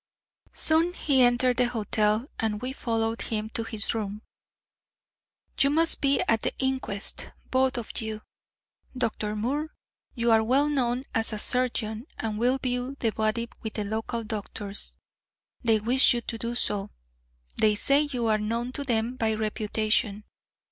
Soon he entered the hotel, and we followed him to his room. "You must be at the inquest both of you. Dr. Moore, you are well known as a surgeon and will view the body with the local doctors. They wish you to do so. They say you are known to them by reputation.